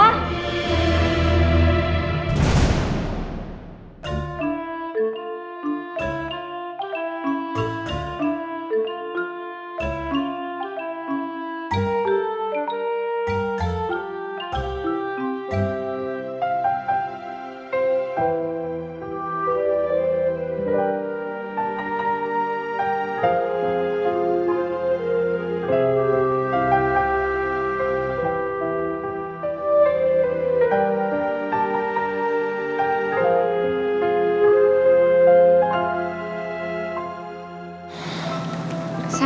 tadi itu siapa